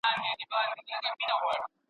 له لويديځ سره اړيکې ډېرې مهمې دي.